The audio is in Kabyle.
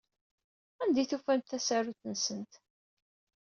Anda ay d-ufant tasarut-nsent?